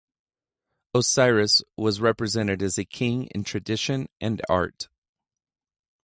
Osiris was represented as a king in tradition and art.